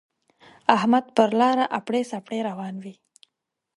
احمد پر لاره اپړې سپړې روان وِي.